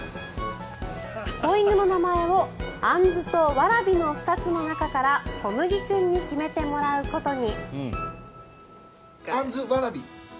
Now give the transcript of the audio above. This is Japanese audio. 子犬の名前をあんずとわらびの２つの中からこむぎ君に決めてもらうことに。